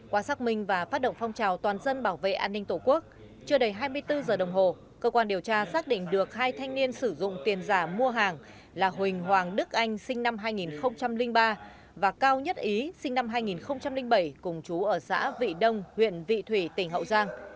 qua xác minh và phát động phong trào toàn dân bảo vệ an ninh tổ quốc chưa đầy hai mươi bốn giờ đồng hồ cơ quan điều tra xác định được hai thanh niên sử dụng tiền giả mua hàng là huỳnh hoàng đức anh sinh năm hai nghìn ba và cao nhất ý sinh năm hai nghìn bảy cùng chú ở xã vị đông huyện vị thủy tỉnh hậu giang